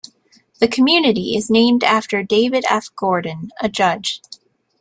The community is named after David F. Gordon, a judge.